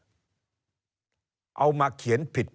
เริ่มตั้งแต่หาเสียงสมัครลง